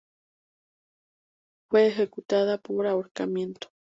Fue ejecutada por ahorcamiento.